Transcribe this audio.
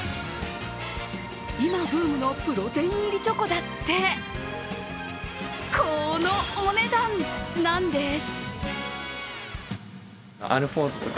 今ブームのプロテイン入りチョコだって、このお値段なんです。